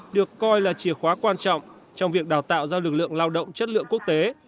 được coi là chìa khóa quan trọng trong việc đào tạo ra lực lượng lao động chất lượng quốc tế